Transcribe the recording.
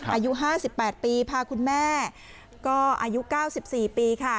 อายุ๕๘ปีพาคุณแม่ก็อายุ๙๔ปีค่ะ